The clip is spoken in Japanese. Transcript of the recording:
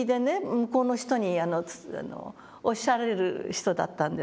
向こうの人におっしゃられる人だったんです。